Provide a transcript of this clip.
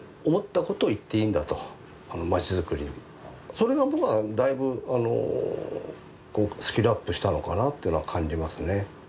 それが僕はだいぶスキルアップしたのかなっていうのは感じますね。